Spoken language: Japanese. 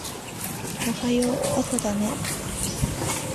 おはよう朝だね